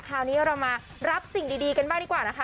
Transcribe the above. คราวนี้เรามารับสิ่งดีกันบ้างดีกว่านะคะ